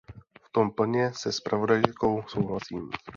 V tom plně se zpravodajkou souhlasím.